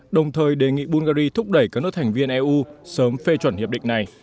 đồng thời đề nghị bulgari thúc đẩy các nước thành viên eu sớm phê chuẩn hiệp định này